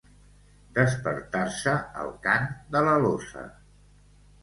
Despertar-se al cant de l'alosa.